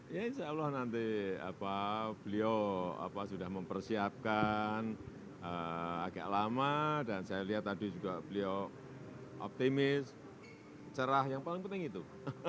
ya insya allah nanti beliau sudah mempersiapkan agak lama dan saya lihat tadi juga beliau optimis cerah yang paling penting itu